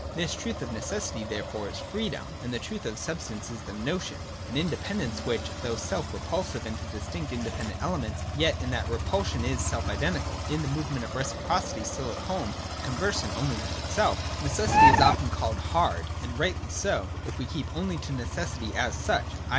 158.] This truth of necessity, therefore, is Freedom : and the truth of substance is the Notion, — an indepen dence which, though self repulsive into distinct inde pendent elements, yet in that repulsion is self identical, and in the movement of reciprocity still at home and conversant only with itself. Necessity is often called hard, and rightly so, if we keep only to necessity as such, i.